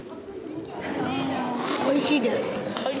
おいしいです。